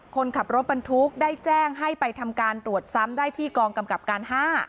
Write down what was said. คนขับรถบรรทุกได้แจ้งให้ไปทำการตรวจซ้ำได้ที่กองกำกับการ๕